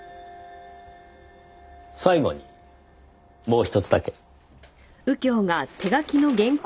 最後にもう１つだけ。